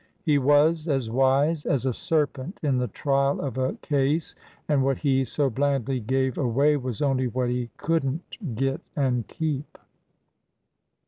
He was as wise as a serpent in the trial of a case, and what he so blandly gave away was only what he could n't get and keep."